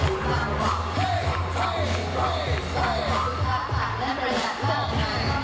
ถ้าใครชูมือขอให้ได้แอทุกคนแอทุกคนแอทุกคน